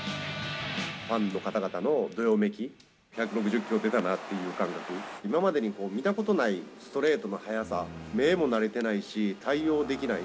ファンの方々のどよめき、１６０キロ出たなっていう感覚、今までに見たことないストレートの速さ、目も慣れてないし、対応できない。